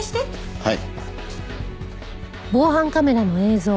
はい。